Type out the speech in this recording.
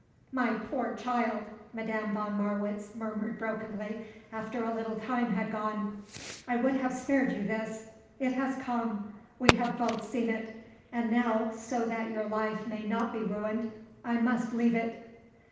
My poor child!" Madame von Marwitz murmured brokenly after a little time had gone. "I would have spared you this. It has come. We have both seen it. And now, so that your life may not be ruined, I must leave it."